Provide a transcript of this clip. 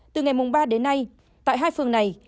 từ ngày ba đến nay tại hai phường này